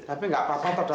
tapi enggak apa apa dokter